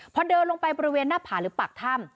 พอเดินลงไปบริเวณหน้าผาหรือปากถ้ำ